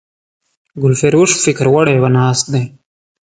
ګلفروش فکر وړی ناست دی